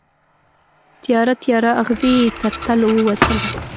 تیاره، تیاره اغزې یې تر تلو ووتله